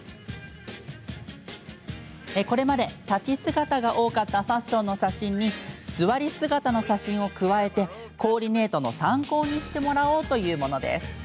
これまで、立ち姿が多かったファッションの写真にすわり姿の写真を加えてコーディネートの参考にしてもらおうというもの。